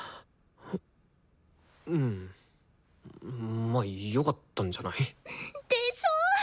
うんまあよかったんじゃない？でしょ！